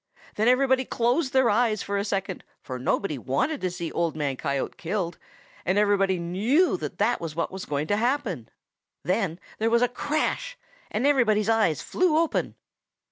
Then everybody closed their eyes for a second, for nobody wanted to see Old Man Coyote killed, and everybody knew that that was what was going to happen. "Then there was a crash, and everybody's eyes flew open.